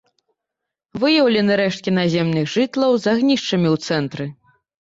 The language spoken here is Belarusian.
Выяўлены рэшткі наземных жытлаў з агнішчамі ў цэнтры.